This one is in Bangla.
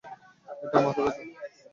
এটা মাথা ব্যাথা।